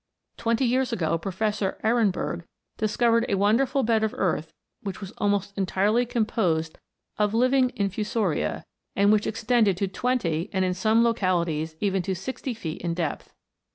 Twenty years ago Professor Ehrenberg discovered a wonderful bed of earth which was almost entirely composed of living infusoria, and which extended to twenty, and, in some localities, even to sixty feet in depth.